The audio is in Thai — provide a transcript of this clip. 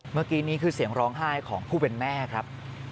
เมื่อกี้นี้คือเสียงร้องไห้ของผู้เป็นแม่ครับ